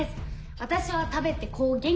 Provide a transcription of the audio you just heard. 私は食べてこう元気です。